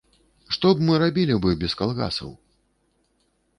Што б мы рабілі бы без калгасаў?